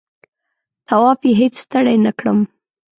طواف یې هېڅ ستړی نه کړم.